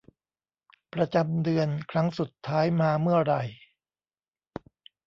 ประจำเดือนครั้งสุดท้ายมาเมื่อไหร่